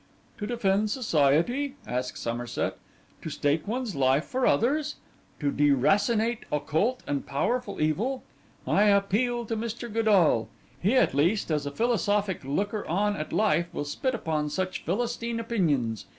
'To defend society?' asked Somerset; 'to stake one's life for others? to deracinate occult and powerful evil? I appeal to Mr. Godall. He, at least, as a philosophic looker on at life, will spit upon such philistine opinions.